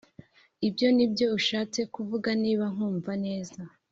Ibyo nibyo ushatse kuvuga Niba nkumva neza